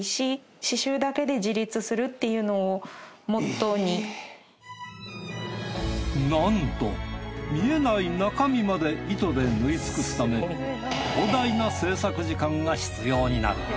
更に驚くのはなんと見えない中身まで糸で縫いつくすため膨大な制作時間が必要になる。